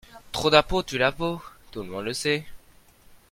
Trop d’impôt tue l’impôt, tout le monde le sait.